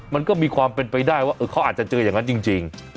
มันก็มีความเป็นไปได้ว่าเขาอาจจะเจออย่างนั้นจริง